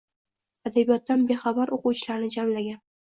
Adabiyotdan bexabar o‘quvchilarni jamlagan.